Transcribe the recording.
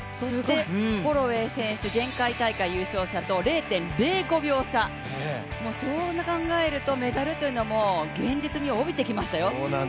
ホロウェイ選手、前回優勝者と０．０５秒差、そう考えるとメダルというのは現実味を帯びてきましたよ。